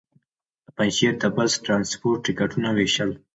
د پنجشېر د بس ټرانسپورټ ټکټونه وېشل.